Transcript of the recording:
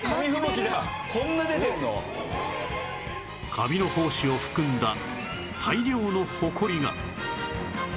カビの胞子を含んだ大量のほこりが